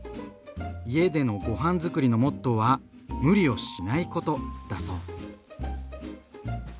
家でのごはんづくりのモットーは「無理をしないこと」だそう。